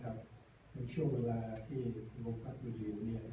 นะครับในช่วงเวลาที่ลงพัฒน์วิทยุเนี่ย